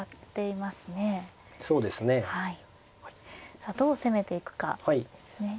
さあどう攻めていくかですね。